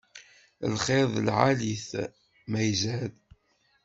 Lxiṛ d lɛali-t ma izad.